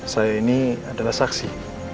saya ini adalah saksi